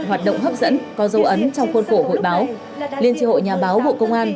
hoạt động hấp dẫn có dấu ấn trong khuôn khổ hội báo liên tri hội nhà báo bộ công an